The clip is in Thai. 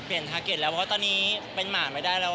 เปลี่ยนทาร์เก็ตแล้วเพราะว่าตอนนี้เป็นหมาไม่ได้แล้ว